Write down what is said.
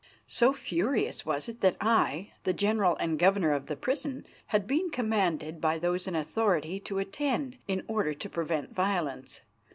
So furious was it that I, the general and governor of the prison, had been commanded by those in authority to attend in order to prevent violence.